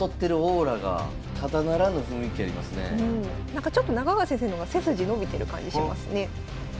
なんかちょっと中川先生の方が背筋伸びてる感じしますね。